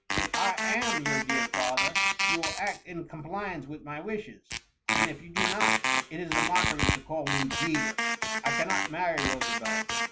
If I am your dear father, you will act in com pliance with my wishes ; and if you do not, it is a mockery to call me * dear.' ""'' I cannot marry Rosabella